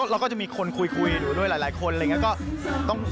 เราก็จะมีคนคุยด้วยหลายคนแล้วก็